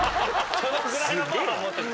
そのぐらいのパワーは持ってた。